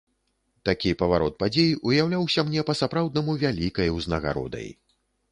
Такі паварот падзей уяўляўся мне па-сапраўднаму вялікай узнагародай.